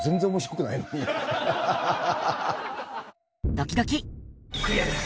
ドキドキクリアです。